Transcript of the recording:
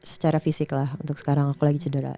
secara fisik lah untuk sekarang aku lagi cedera